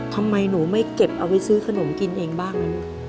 ทำไมหนูไม่เก็บเอาไว้ซื้อขนมกินเองบ้าง